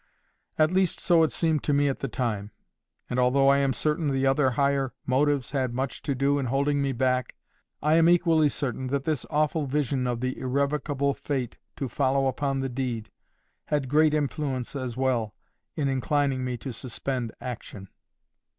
At least so it seemed to me at the time; and, although I am certain the other higher motives had much to do in holding me back, I am equally certain that this awful vision of the irrevocable fate to follow upon the deed, had great influence, as well, in inclining me to suspend action.